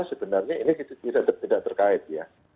sebenarnya ini tidak terkait ya